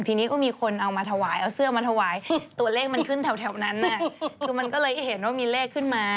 ทีนี้ก็มีคนเอามาถวายเอาเสื้อมาถวายตัวเลขมันขึ้นแถวนั้นคือมันก็เลยเห็นว่ามีเลขขึ้นมา